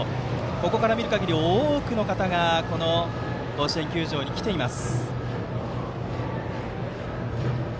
ここから見る限り、多くの方が甲子園球場に来ています。